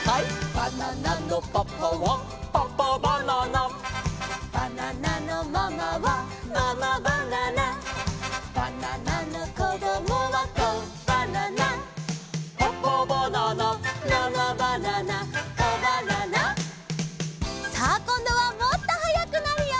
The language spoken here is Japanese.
「バナナのパパはパパバナナ」「バナナのママはママバナナ」「バナナのこどもはコバナナ」「パパバナナママバナナコバナナ」さあこんどはもっとはやくなるよ！